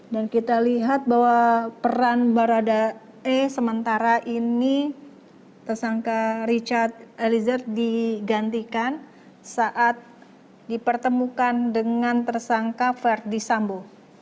dan kita lihat bahwa peran baradae sementara ini tersangka richard eliezer digantikan saat dipertemukan dengan tersangka verdi sambo